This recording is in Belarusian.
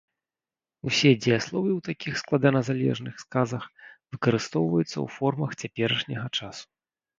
Усе дзеясловы ў такіх складаназалежных сказах выкарыстоўваюцца ў формах цяперашняга часу.